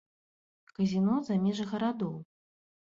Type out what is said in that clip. Казіно за межы гарадоў.